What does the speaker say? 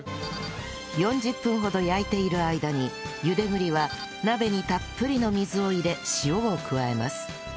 ４０分ほど焼いている間に茹で栗は鍋にたっぷりの水を入れ塩を加えます